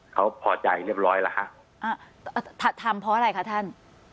เขาพอใจเรียบร้อยแล้วฮะอ่าทำเพราะอะไรคะท่าน